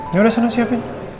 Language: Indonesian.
ya udah sana siapin